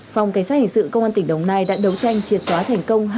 phòng cảnh sát hình sự công an tỉnh đồng nai đã đấu tranh triệt xóa thành công